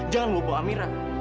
jangan lu bawa amira